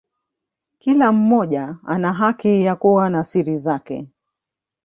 Kila mmoja ana haki ya kuwa na siri zake.